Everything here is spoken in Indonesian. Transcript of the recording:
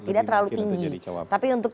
tidak terlalu tinggi tapi untuk